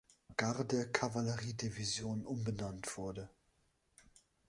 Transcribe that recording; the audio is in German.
Garde-Kavalleriedivision umbenannt wurde.